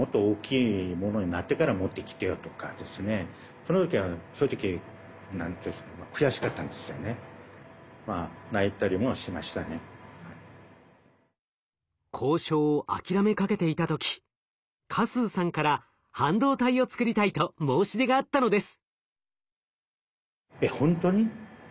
その時は正直何て言うんですか交渉を諦めかけていた時嘉数さんから「半導体をつくりたい」と申し出があったのです。